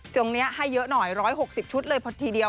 อย่างนี้ให้เยอะหน่อย๑๖๐ชุดเลยพอทีเดียว